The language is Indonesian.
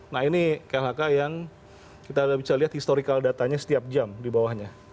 nah ini klhk yang kita bisa lihat historical datanya setiap jam di bawahnya